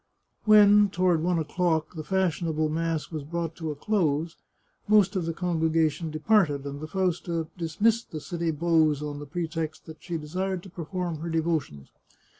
When, toward one o'clock, the fashionable mass was brought to a close, most of the congregation departed, and the Fausta dismissed the city beaux on the pretext that she desired to perform her devotions.